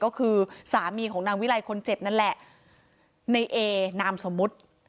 ก็คือสามีของนางวิไลคนเจ็บนั่นแหละในเอนามสมมุติ